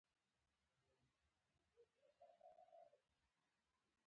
پیرودونکی تل سم نه وي، خو تل مهم وي.